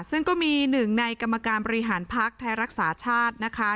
ซึ่งก็มีหนึ่งในกรรมการบริหารภักดิ์ไทยรักษาชาตินะคะ